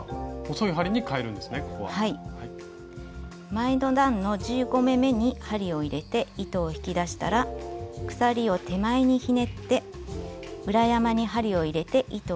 前の段の１５目めに針を入れて糸を引き出したら鎖を手前にひねって裏山に針を入れて糸を引き出します。